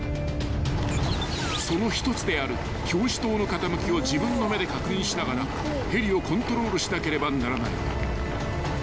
［その一つである表示灯の傾きを自分の目で確認しながらヘリをコントロールしなければならない］